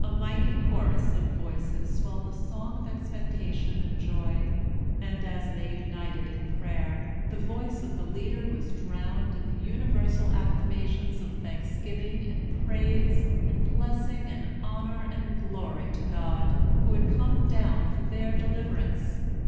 A mighty chorus of voices swelled the song of expectation and joy; and as they united in prayer, the voice of the leader was drowned in the universal acclamations of thanksgiving and praise and blessing and honor and glory to God, who had come down for their deliverance.